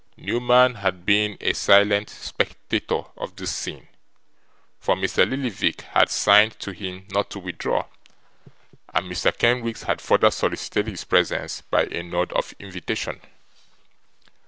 Newman had been a silent spectator of this scene; for Mr. Lillyvick had signed to him not to withdraw, and Mr. Kenwigs had further solicited his presence by a nod of invitation.